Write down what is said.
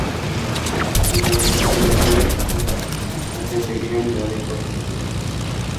ডানহাতে ব্যাটিংয়ের পাশাপাশি ডানহাতে মিডিয়াম বোলিং করতেন তিনি।